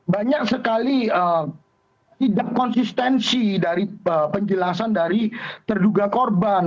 banyak sekali tidak konsistensi dari penjelasan dari terduga korban